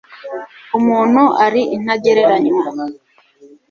umuntu ari intagereranywa